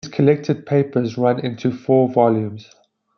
His collected papers run to four volumes.